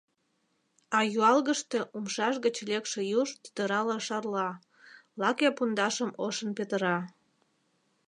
А юалгыште умшаж гыч лекше юж тӱтырала шарла, лаке пундашым ошын петыра.